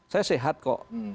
saya sehat kok